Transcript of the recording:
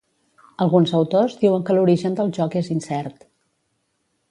Alguns autors diuen que l'origen del joc és incert.